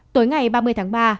tối ngày ba mươi tháng ba